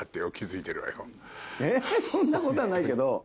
えっそんなことはないけど。